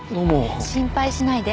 心配しないで。